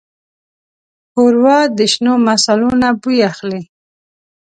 ښوروا د شنو مصالو نه بوی اخلي.